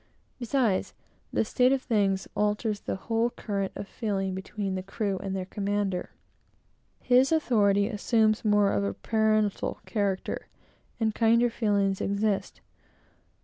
Besides, this state of thing alters the whole current of feeling between the crew and their commander. His authority assumes more of the parental character; and kinder feelings exist.